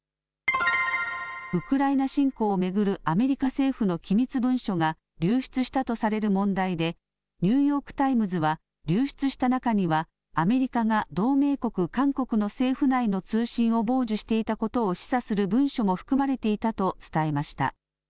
ウクライナ侵攻を巡るアメリカ政府の機密文書が流出したとされる問題でニューヨーク・タイムズは流出した中にはアメリカが同盟国韓国の政府内の通信を傍受していたことを示唆する文書も含まれていたと伝えました。